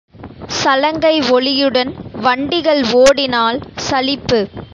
சலங்கை ஒலியுடன் வண்டிகள் ஓடினால் சலிப்பு.